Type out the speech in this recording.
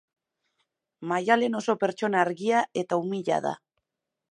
Maialen oso pertsona argia eta umila da